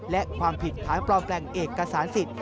และความผิดฐานปลอมแปลงเอกสารสิทธิ์